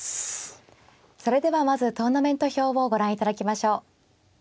それではまずトーナメント表をご覧いただきましょう。